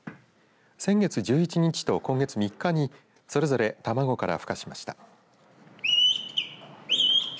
先月１１日と今月３日にそれぞれ、卵からふ化しました。